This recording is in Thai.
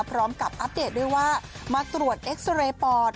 พร้อมกับอัปเดตด้วยว่ามาตรวจเอ็กซ์เรย์ปอด